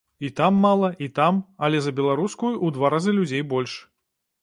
І там мала, і там, але за беларускую ў два разы людзей больш.